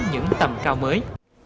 những tầm cao mới